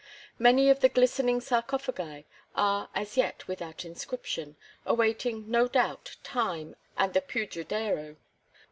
Many of the glistening sarcophagi are as yet without inscription, awaiting, no doubt, time and the Pudridero.